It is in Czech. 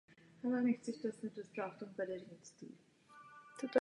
Jeho autorem byl berlínský sochař Hans Weddo von Glümer.